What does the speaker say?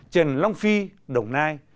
trần long phi đồng nai